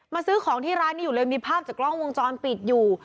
ซื้อของที่ร้านนี้อยู่เลยมีภาพจากกล้องวงจรปิดอยู่